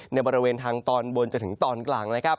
ในบริเวณทางตอนบนจนถึงตอนกลาง